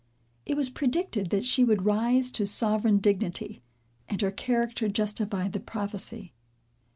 It was predicted that she would rise to sovereign dignity; and her character justified the prophecy.